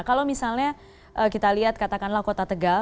kalau misalnya kita lihat katakanlah kota tegal